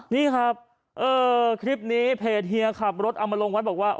นี่ครับคลิปนี้เพจเฮียขับรถเอามาลงไว้บอกว่า